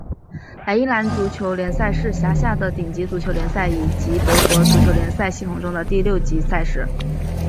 莱茵兰足球联赛是辖下的顶级足球联赛以及德国足球联赛系统中的第六级赛事。